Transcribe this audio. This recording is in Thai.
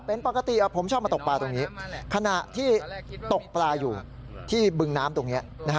เป็นปกติผมชอบมาตกปลาตรงนี้ขณะที่ตกปลาอยู่ที่บึงน้ำตรงนี้